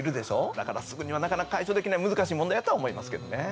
だからすぐにはなかなか解消できない難しい問題やとは思いますけどね。